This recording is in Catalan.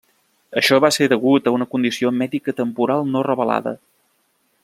Això va ser degut a una condició mèdica temporal no revelada.